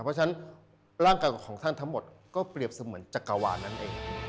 เพราะฉะนั้นร่างกายของท่านทั้งหมดก็เปรียบเสมือนจักรวาลนั่นเอง